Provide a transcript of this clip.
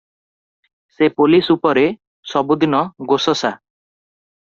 ସେ ପୋଲିଶ ଉପରେ ସବୁଦିନ ଗୋସସା